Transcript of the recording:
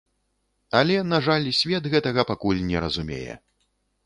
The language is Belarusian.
Але, на жаль, свет гэтага пакуль не разумее.